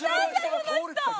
この人。